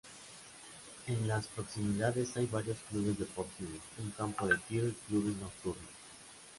En las proximidades hay varios clubes deportivos, un campo de tiro y clubes nocturnos.